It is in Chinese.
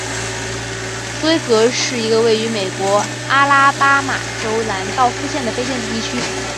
斯威格是一个位于美国阿拉巴马州兰道夫县的非建制地区。